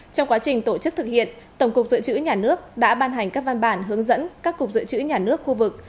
trong quá trình tổ chức thực hiện tổng cục dự trữ nhà nước đã ban hành các văn bản hướng dẫn các cục dự trữ nhà nước khu vực